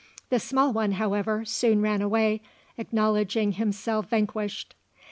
The small one, however, soon ran away, acknowledging himself vanquished.